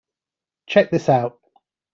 Check this out.